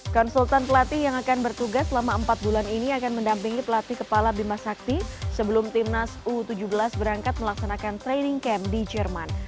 konsultan pelatih yang akan bertugas selama empat bulan ini akan mendampingi pelatih kepala bimasakti sebelum timnas u tujuh belas berangkat melaksanakan training camp di jerman